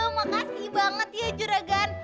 makasih banget ya juragan